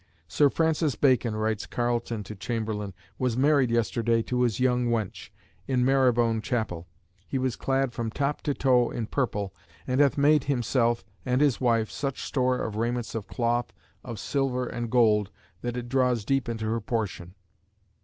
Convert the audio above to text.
"Sir Francis Bacon," writes Carleton to Chamberlain, "was married yesterday to his young wench, in Maribone Chapel. He was clad from top to toe in purple, and hath made himself and his wife such store of raiments of cloth of silver and gold that it draws deep into her portion."